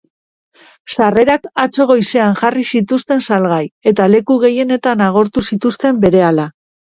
Sarrerak atzo goizean jarri zituzten salgai, eta leku gehienetan agortu zituzten berehala.